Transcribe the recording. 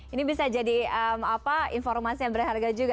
ini bisa jadi informasi yang berharga juga